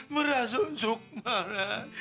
merasun sukma nak